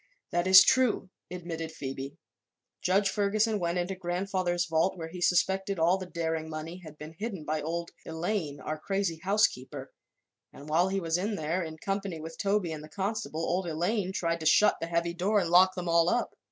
"That is true," admitted Phoebe. "Judge Ferguson went into grandfather's vault, where he suspected all the Daring money had been hidden by old Elaine, our crazy housekeeper, and while he was in there, in company with Toby and the constable, old Elaine tried to shut the heavy door and lock them all up.